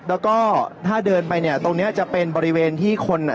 แล้วก็ถ้าเดินไปเนี่ยตรงเนี้ยจะเป็นบริเวณที่คนอ่ะ